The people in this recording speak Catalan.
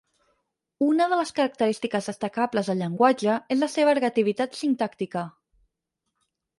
Una de les característiques destacables del llenguatge és la seva ergativitat sintàctica.